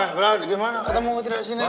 wah berapa gimana ketemu gak tidak sini